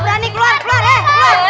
baik baik ahora jangan